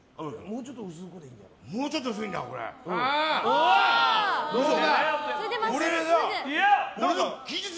もうちょっと薄いほうが。